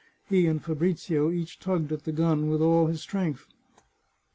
He and Fabrizio each tugged at the gun with all his strength.